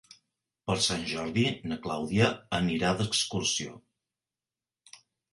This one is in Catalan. Per Sant Jordi na Clàudia anirà d'excursió.